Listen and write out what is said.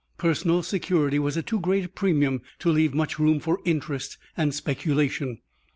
Personal security was at too great a premium to leave much room for interest and speculation.